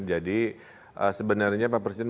jadi sebenarnya pak presiden